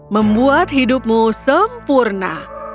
membuat hidupmu sempurna